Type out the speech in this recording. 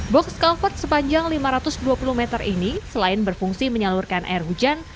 box cover sepanjang lima ratus dua puluh meter ini selain berfungsi menyalurkan air hujan